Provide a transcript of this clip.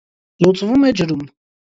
Լուծվում է ջրում։